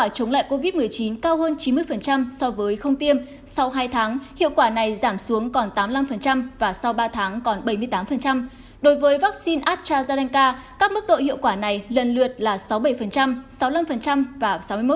với vaccine astrazeneca các mức độ hiệu quả này lần lượt là sáu bảy sáu mươi năm và sáu mươi một